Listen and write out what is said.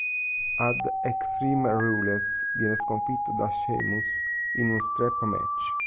Ad Extreme Rules viene sconfitto da Sheamus in uno Strap match.